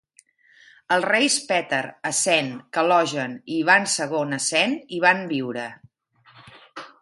Els reis Petar, Assèn, Kalojan i Ivan II Assèn hi van viure.